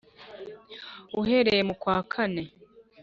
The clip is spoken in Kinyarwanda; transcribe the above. uhereye mu kwa kane.